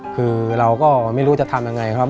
คือเราก็ไม่รู้จะทำยังไงครับ